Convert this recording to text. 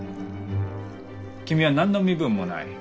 君は何の身分もない。